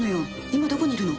今どこにいるの？